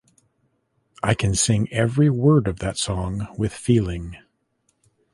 I can sing every word of that song with feeling.